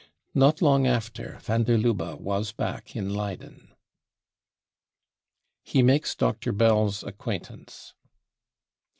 Not long after, van der Lubbe was back in Leyden. He makes Dr. Bell's Acquaintance.